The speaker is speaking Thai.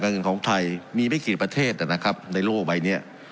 เงินของไทยมีไม่กี่ประเทศนะครับในโลกใบเนี้ย